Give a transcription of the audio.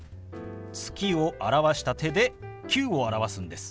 「月」を表した手で「９」を表すんです。